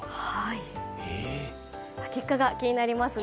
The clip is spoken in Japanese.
結果が気になりますね。